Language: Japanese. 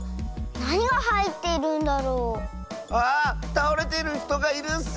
たおれてるひとがいるッス！